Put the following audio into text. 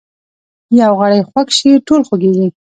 یو غړی خوږ شي ټول خوږیږي